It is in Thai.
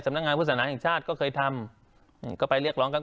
นักงานพุทธศนาแห่งชาติก็เคยทำก็ไปเรียกร้องกัน